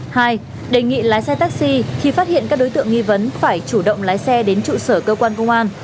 hai đề nghị lái xe taxi khi phát hiện các đối tượng nghi vấn phải chủ động lái xe đến trụ sở cơ quan công an